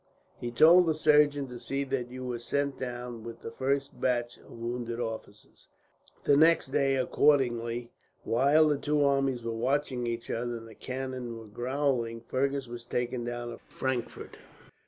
He told the surgeon to see that you were sent down with the first batch of wounded officers." The next day, accordingly, while the two armies were watching each other and the cannon were growling, Fergus was taken down to Frankfort.